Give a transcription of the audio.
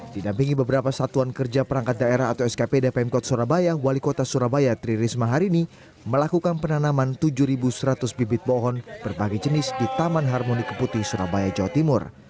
didampingi beberapa satuan kerja perangkat daerah atau skpd pemkot surabaya wali kota surabaya tri risma hari ini melakukan penanaman tujuh seratus bibit pohon berbagai jenis di taman harmoni keputi surabaya jawa timur